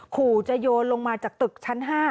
ขู่จะโยนลงมาจากตึกชั้น๕